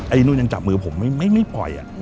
นู่นยังจับมือผมไม่ปล่อย